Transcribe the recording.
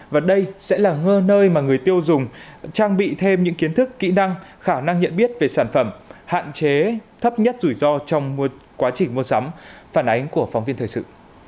và đây sẽ là ngơ nơi mà người tiêu dùng trang bị thêm những kiến thức kỹ năng khả năng nhận biết về sản phẩm hạn chế thấp nhất rủi ro trong quá trình mua sắm phản ánh của phóng viên thời sự